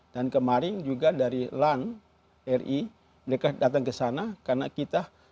dan kemarin juga dari lan ri mereka datang kesana karena kita